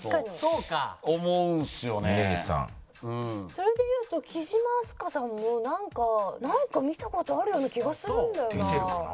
それで言うと貴島明日香さんもなんかなんか見た事あるような気がするんだよな。